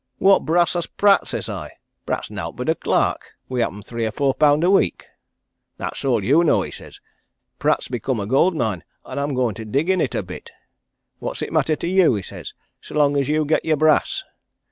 'What brass has Pratt?' says I. 'Pratt's nowt but a clerk, wi' happen three or four pound a week!' 'That's all you know,' he says. 'Pratt's become a gold mine, and I'm going to dig in it a bit. What's it matter to you,' he says, 'so long as you get your brass?'